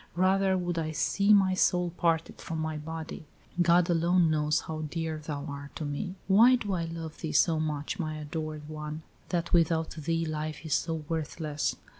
Rather would I see my soul parted from my body. God alone knows how dear thou art to me. Why do I love thee so much, my adored one, that without thee life is so worthless?